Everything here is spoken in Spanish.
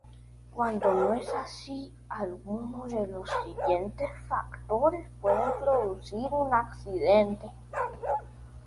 Cuando no es así, alguno de los siguientes factores pueden producir un accidente.